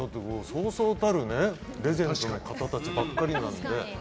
そうそうたるレジェンドの方たちばかりなので。